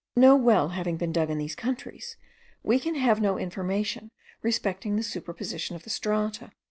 No well having been dug in these countries, we can have no information respecting the superposition of the strata.